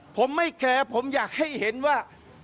ผมไม่แคร์ผมอยากให้เห็นว่า